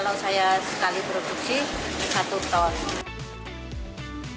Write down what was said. kalau saya sekali produksi satu ton